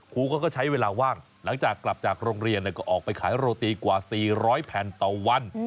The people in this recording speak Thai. ครูเขาก็ใช้เวลาว่างหลังจากกลับจากโรงเรียนก็ออกไปขายโรตีกว่า๔๐๐แผ่นต่อวัน